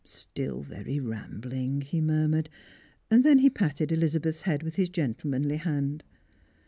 " Still very rambling," he murmured, and then he patted Elizabeth's head with his gentle manly hand.